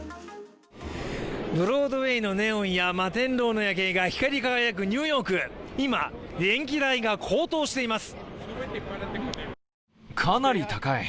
ブロードウェイのネオンや摩天楼の夜景が光り輝くニューヨーク、今、電気代が高騰しています。